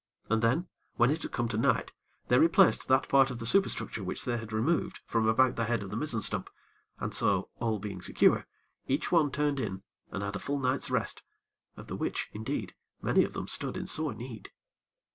And then, when it had come to night, they replaced that part of the superstructure which they had removed from about the head of the mizzen stump, and so, all being secure, each one turned in and had a full night's rest, of the which, indeed, many of them stood in sore need.